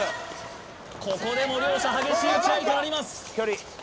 ここでも両者激しい打ち合いとなります